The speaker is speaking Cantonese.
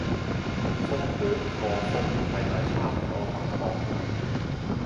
同覆卷個覆係咪差唔多感覺